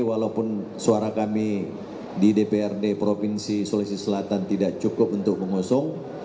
walaupun suara kami di dprd provinsi sulawesi selatan tidak cukup untuk mengusung